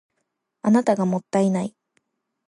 あなたがもったいない